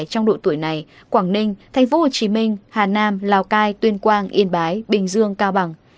trong độ tuổi này quảng ninh tp hcm hà nam lào cai tuyên quang yên bái bình dương cao bằng